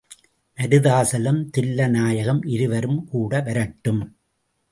மருதாசலம், தில்லைநாயகம் இருவரும் கூட வரட்டும்.